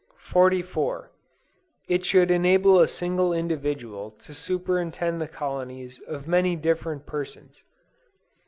44. It should enable a single individual to superintend the colonies of many different persons.